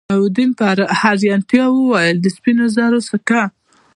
علاوالدین په حیرانتیا وویل د سپینو زرو سکه.